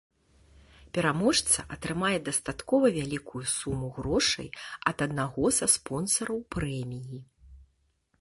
Пераможца атрымае дастаткова вялікую суму грошай ад аднаго са спонсараў прэміі.